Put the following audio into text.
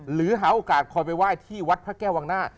หรือหาโอกาสคอยไปไหว้ที่วัดพระแก้ววังหน้า